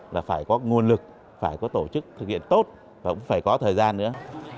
là phải có nguồn lực phải có tổ chức thực hiện tốt và cũng phải có thời gian nữa